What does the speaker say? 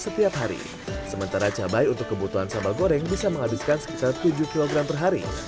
setiap hari sementara cabai untuk kebutuhan sabagoreng bisa menghabiskan sekitar tujuh kg perhari